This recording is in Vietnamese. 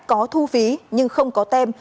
có thu phí nhưng không có tem